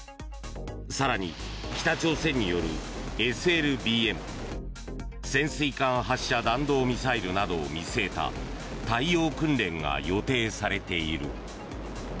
更に、北朝鮮によるＳＬＢＭ・潜水艦発射弾道ミサイルなどを見据えた対応訓練が予定されている。